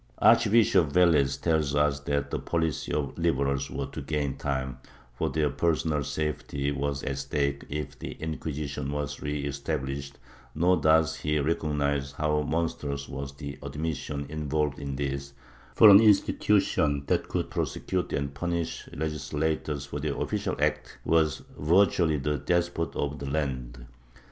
Archbishop Velez tells us that the policy of the Liberals was to gain time, for their personal safety was at stake if the Inquisition w^as re established, nor does he recognize how monstrous was the admission involved in this, for an institution that could prosecute and punish legislators for their official acts was virtually the despot of the land.